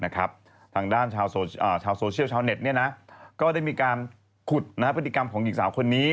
ทางด้านชาวโซเชียลชาวเน็ตก็ได้มีการขุดพฤติกรรมของหญิงสาวคนนี้